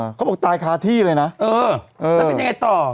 ผมเอาแต่ไฮที่เลยนะเอ่อเอ่อพี่ค่ะ